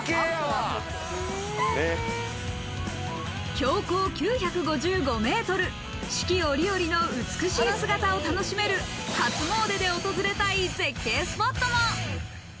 標高９５５ｍ、四季折々の美しい姿を楽しめる初詣で訪れたい絶景スポットも。